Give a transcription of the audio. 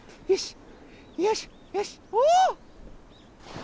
よし！